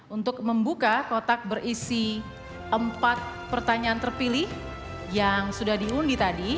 untuk membuka kotak berisi empat pertanyaan terpilih yang sudah diundi tadi